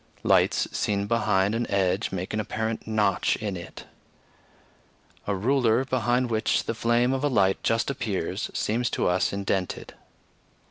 Lights seen behind an edge make an apparent notch in it. A ruler, behind which the flame of a light just appears, seems to us indented.